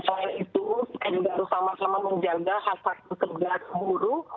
selain itu kita juga harus sama sama menjaga hak hak pekerja buruh